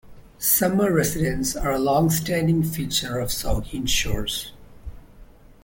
Summer residents are a longstanding feature of Saugeen Shores.